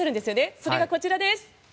それが、こちらです。